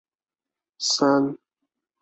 就买好一点的给孩子吃吧